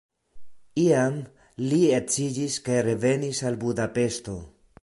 Iam li edziĝis kaj revenis al Budapeŝto.